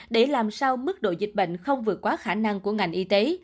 để làm sao mức độ dịch bệnh không vượt quá khả năng của ngành y tế